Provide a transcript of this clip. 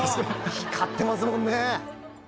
光ってますもんね